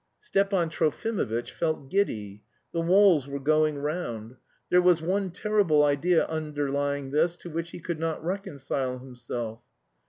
Stepan Trofimovitch felt giddy. The walls were going round. There was one terrible idea underlying this to which he could not reconcile himself.